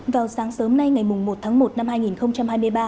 vào sáng sớm nay ngày một tháng một năm hai nghìn hai mươi ba